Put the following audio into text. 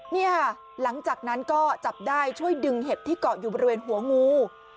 นี่ค่ะหลังจากนั้นก็จับได้ช่วยดึงเห็ดที่เกาะอยู่บริเวณหัวงู